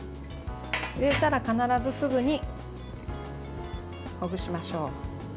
入れたら必ずすぐに、ほぐしましょう。